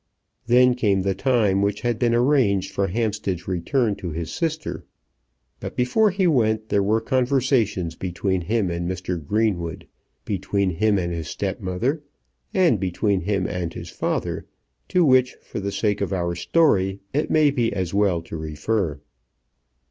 Then came the time which had been arranged for Hampstead's return to his sister. But before he went there were conversations between him and Mr. Greenwood, between him and his stepmother, and between him and his father, to which, for the sake of our story, it may be as well to refer.